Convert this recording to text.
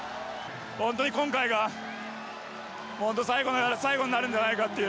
本当に今回が最後になるんじゃないかっていう。